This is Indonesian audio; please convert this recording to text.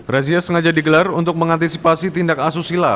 razia sengaja digelar untuk mengantisipasi tindak asusila